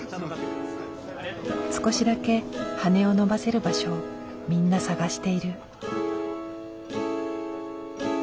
少しだけ羽を伸ばせる場所をみんな探している。